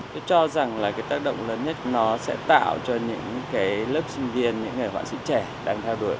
tôi cho rằng là cái tác động lớn nhất nó sẽ tạo cho những cái lớp sinh viên những người họa sĩ trẻ đang theo đuổi